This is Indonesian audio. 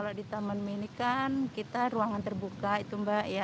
kalau di tmii kan kita ruangan terbuka itu mbak